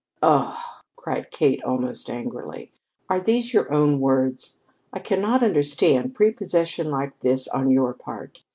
"Oh!" cried Kate, almost angrily. "Are these your own words? I cannot understand a prepossession like this on your part.